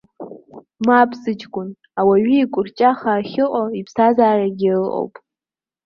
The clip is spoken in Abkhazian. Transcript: Мап, сыҷкәын, ауаҩы иҟәырҷаха ахьыҟоу, иԥсҭазаарагьы ыҟоуп!